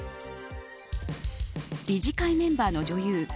理事会メンバーの女優